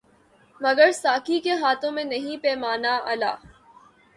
مگر ساقی کے ہاتھوں میں نہیں پیمانۂ الا